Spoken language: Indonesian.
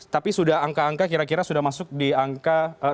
tapi sudah angka angka kira kira sudah masuk di angka